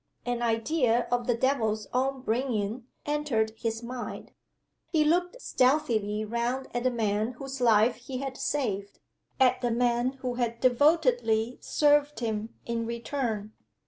An idea of the devil's own bringing entered his mind. He looked stealthily round at the man whose life he had saved at the man who had devotedly served him in return.